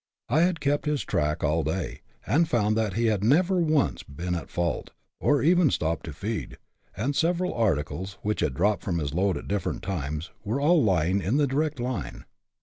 I had kept his track all day, and found that he had never once been at fault, or even stopped to feed ; and several articles, which had dropped from his load at different times, were all lying in the direct line.